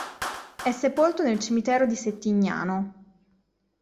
È sepolto nel cimitero di Settignano.